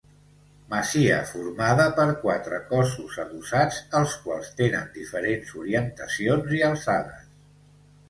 Masia formada per quatre cossos adossats, els quals tenen diferents orientacions i alçades.